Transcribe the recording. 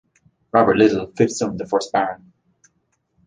Robert Liddell, fifth son of the first Baron.